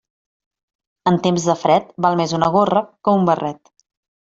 En temps de fred, val més una gorra que un barret.